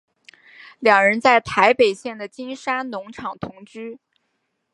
两人在台北县的金山农场同居。